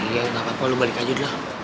ya gak apa apa lo balik aja dulu